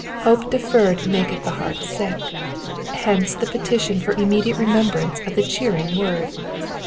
Hope deferred maketh the heart sick, hence the petition for immediate remembrance of the cheering word.